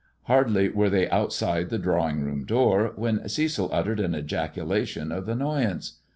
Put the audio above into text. Hardly were they outside the drawing room door when Cecil uttered an ejaculation of annoyance.